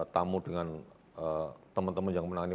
tamu dengan teman teman yang menangani